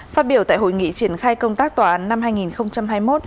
phát biểu tại hội nghị triển khai công tác tòa án năm hai nghìn hai mươi một